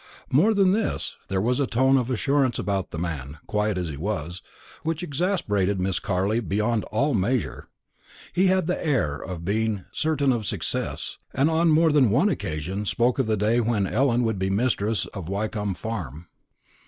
More than this, there was a tone of assurance about the man, quiet as he was, which exasperated Miss Carley beyond all measure. He had the air of being certain of success, and on more than one occasion spoke of the day when Ellen would be mistress of Wyncomb Farm.